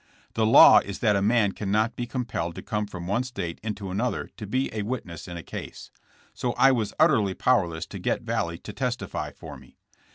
The law is that a man cannot be com pelled to come from one state into another to be a witness in a case. So I was utterly powerless to get Vallee to testify for me.